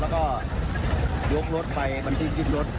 แล้วก็ยกรถไปบัญชีทรจิตรถ